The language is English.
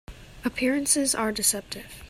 Appearances are deceptive.